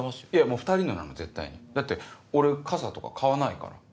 もう２人のなの絶対にだって俺傘とか買わないから。